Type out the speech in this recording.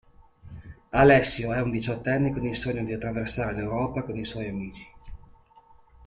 Alessio è un diciottenne con il sogno di attraversare l'Europa con i suoi amici.